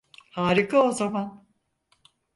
Harika o zaman.